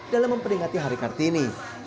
dalam memperingati hari kartini